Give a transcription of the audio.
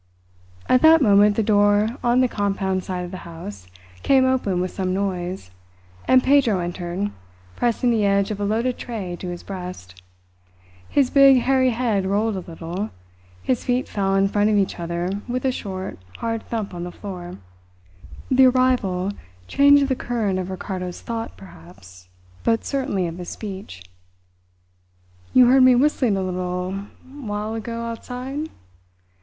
At that moment the door on the compound side of the house came open with some noise, and Pedro entered, pressing the edge of a loaded tray to his breast. His big, hairy head rolled a little, his feet fell in front of each other with a short, hard thump on the floor. The arrival changed the current of Ricardo's thought, perhaps, but certainly of his speech. "You heard me whistling a little while ago outside?